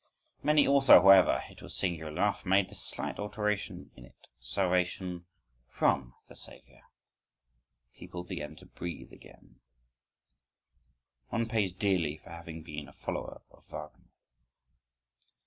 Many also, however (it was singular enough), made this slight alteration in it: "Salvation from the Saviour"—People began to breathe again— One pays dearly for having been a follower of Wagner.